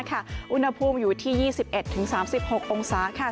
ค่ะอุณหภูมิอยู่ที่ยี่สิบเอ็ดถึงสามสิบหกองศาค่ะ